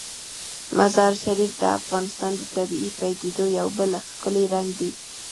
مزارشریف د افغانستان د طبیعي پدیدو یو بل ښکلی رنګ دی.